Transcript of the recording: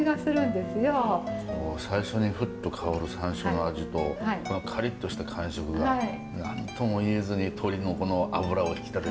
こう最初にふっと香る山椒の味とこのカリッとした感触が何とも言えずに鶏のこの脂を引き立ててくれる。